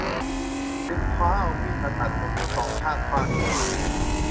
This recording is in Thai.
จึงคว้าเอามีดมาตัดนมทั้งสองข้างขว้างทิ้งไป